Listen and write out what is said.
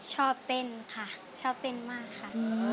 ชอบเต้นค่ะชอบเต้นมากค่ะ